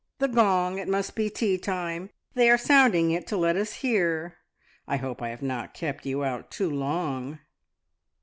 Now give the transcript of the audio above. "The gong! It must be tea time. They are sounding it to let us hear. I hope I have not kept you out too long."